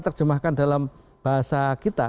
terjemahkan dalam bahasa kita